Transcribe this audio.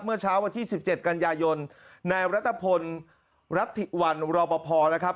เมื่อเช้าวันที่สิบเจ็ดกันยายนนายรัตภนรับทิวันรอบพอร์นะครับ